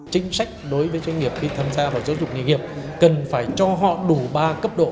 chính sách đối với doanh nghiệp khi tham gia vào giáo dục nghề nghiệp cần phải cho họ đủ ba cấp độ